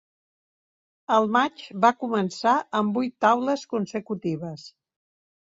El matx va començar amb vuit taules consecutives.